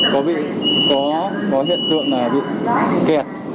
có hiện tượng bị kẹt